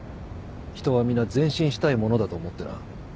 人は皆前進したいものだと思ってな。